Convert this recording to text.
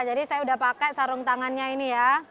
jadi saya sudah pakai sarung tangannya ini ya